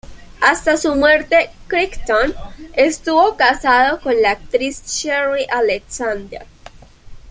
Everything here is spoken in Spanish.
Hasta su muerte, Crichton estuvo casado con la actriz Sherri Alexander.